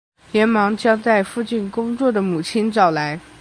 连忙将在附近工作的母亲找来